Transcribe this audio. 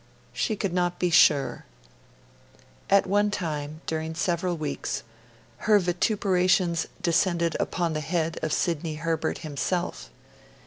She could not be sure. At one time, during several weeks, her vituperations descended upon the head of Sidney Herbert himself.